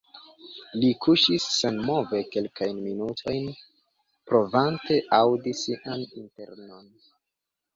Li kuŝis senmove kelkajn minutojn, provante aŭdi sian internon.